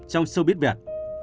trong showbiz việt